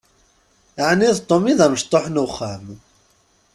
Ɛni d Tom i d amecṭuḥ n uxxam?